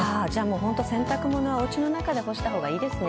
洗濯物は、おうちの中で干したほうがいいですね。